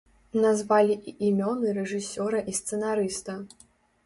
Назвалі і імёны рэжысёра і сцэнарыста.